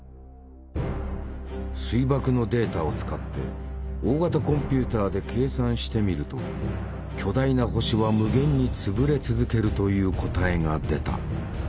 水爆のデータを使って大型コンピュータで計算してみると「巨大な星は無限につぶれ続ける」という答えが出た。